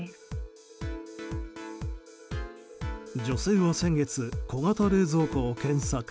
女性は先月小型冷蔵庫を検索。